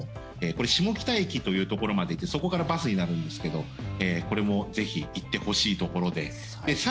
これ、下北駅というところまで行ってそこからバスになるんですけどこれもぜひ行ってほしいところです。